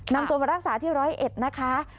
นำตัวมารักษาที่๑๐๑นะคะ